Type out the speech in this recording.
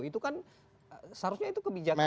itu kan seharusnya itu kebijakan